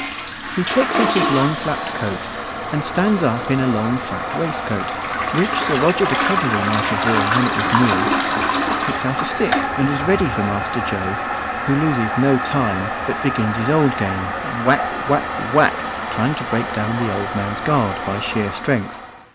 He takes off his long flapped coat, and stands up in a long flapped waistcoat, which Sir Roger de Coverley might have worn when it was new, picks out a stick, and is ready for Master Joe, who loses no time, but begins his old game, whack, whack, whack, trying to break down the old man's guard by sheer strength.